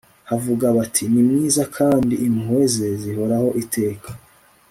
bavuga bati ni mwiza kandi impuhwe ze zihoraho iteka